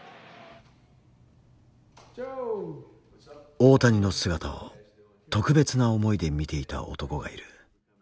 大谷の姿を特別な思いで見ていた男がいる。